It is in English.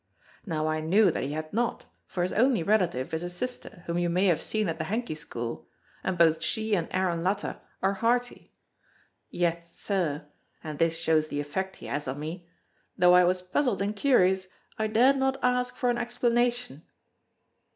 Now I knew that he had not, for his only relative is a sister whom you may have seen at the Hanky School, and both she and Aaron Latta are hearty. Yet, sir (and this shows the effect he has on me), though I was puzzled and curious I dared not ask for an explanation."